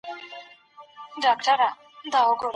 سیاست پوهنه د حقیقت موندلو لاره ده.